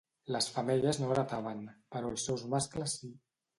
Les femelles no heretaven, però els seus mascles sí.